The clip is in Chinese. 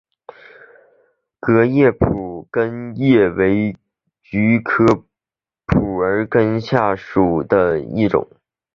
革叶蒲儿根为菊科蒲儿根属下的一个种。